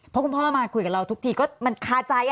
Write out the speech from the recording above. เพราะคุณพ่อมาคุยกับเราทุกทีก็มันคาใจ